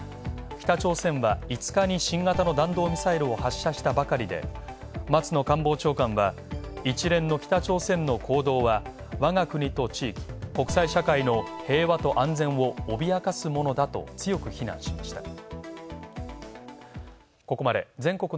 北朝鮮は５日に新型の弾道ミサイルを発射したばかりで、松野官房長官は、一連の北朝鮮の行動は我が国と地域、国際社会の平和と安全を脅かすものだと強く非難しました。